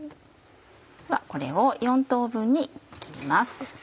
ではこれを４等分に切ります。